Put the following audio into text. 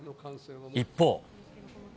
一方。